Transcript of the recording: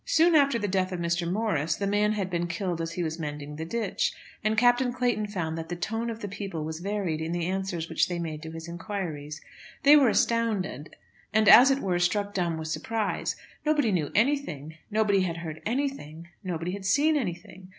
Soon after the death of Mr. Morris the man had been killed as he was mending the ditch, and Captain Clayton found that the tone of the people was varied in the answers which they made to his inquiries. They were astounded, and, as it were, struck dumb with surprise. Nobody knew anything, nobody had heard anything, nobody had seen anything.